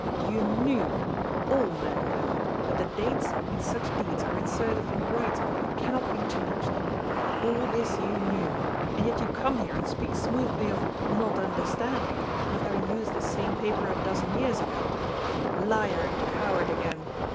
You knew — all men know — ^that the dates in such deeds are inserted in writing and cannot be changed. All this you knew, and yet you come here and speak smoothly of "not understanding" and of having used this same paper a dozen years ago. Liar and coward again.